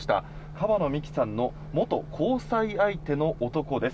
川野美樹さんの元交際相手の男です。